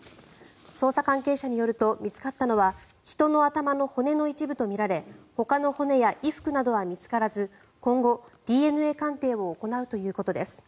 捜査関係者によると見つかったのは人の骨の頭の一部とみられほかの骨や衣服などは見つからず今後、ＤＮＡ鑑定を行うということです。